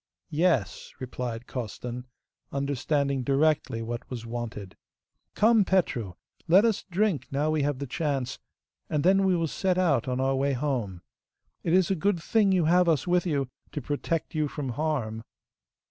'Yes,' replied Costan, understanding directly what was wanted. 'Come, Petru, let us drink now we have the chance, and then we will set out on our way home. It is a good thing you have us with you, to protect you from harm.